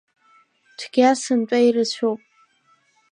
Цәгьа сынтәа ирацәоуп.